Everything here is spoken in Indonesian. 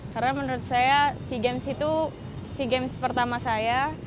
karena menurut saya sea games itu sea games pertama saya